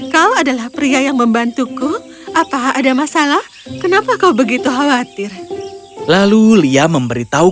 kau adalah pria yang membantuku apa ada masalah kenapa kau begitu khawatir lalu lia memberitahu